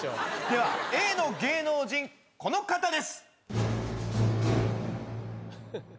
ではＡの芸能人この方です。